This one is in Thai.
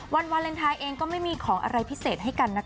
วันวาเลนไทยเองก็ไม่มีของอะไรพิเศษให้กันนะคะ